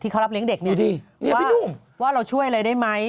เขารับเลี้ยงเด็กเนี่ยพี่หนุ่มว่าเราช่วยอะไรได้ไหม